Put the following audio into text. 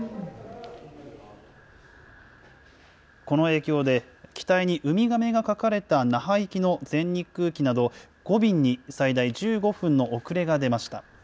この影響で、機体にウミガメが描かれた那覇行きの全日空機など、５便に最大１５分の遅れが出ました。